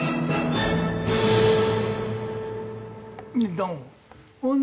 どうも。